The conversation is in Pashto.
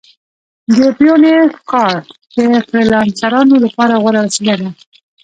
د پیونیر کارډ د فریلانسرانو لپاره غوره وسیله ده.